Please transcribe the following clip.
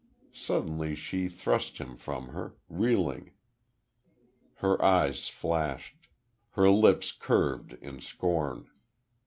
Suddenly she thrust him from her, reeling. Her eyes flashed; her lips curved, in scorn.